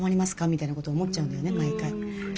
みたいなこと思っちゃうんだよね毎回。